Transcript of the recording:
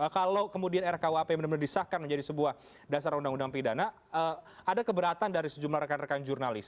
kalau kemudian rkuap benar benar disahkan menjadi sebuah dasar undang undang pidana ada keberatan dari sejumlah rekan rekan jurnalis